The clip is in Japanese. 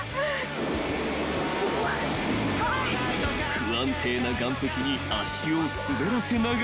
［不安定な岩壁に足を滑らせながらも］